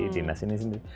dinas ini sendiri